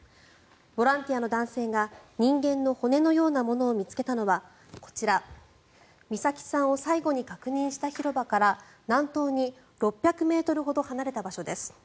ボランティアの男性が人間の骨のようなものを見つけたのはこちら、美咲さんを最後に確認した広場から南東に６００ｍほど離れた場所です。